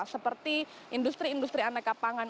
seperti industri industri aneka pangan